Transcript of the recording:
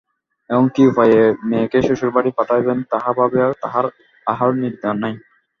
এখন কি উপায়ে মেয়েকে শ্বশুরবাড়ি পাঠাইবেন, তাহাই ভাবিয়া তাঁহার আহার নিদ্রা নাই।